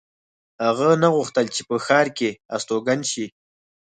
هغه نه غوښتل چې په ښار کې استوګن شي